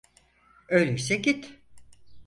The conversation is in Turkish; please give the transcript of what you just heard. Öyleyse git.